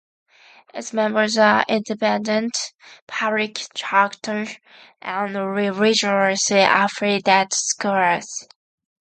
Its members are independent, public, charter, and religiously-affiliated schools.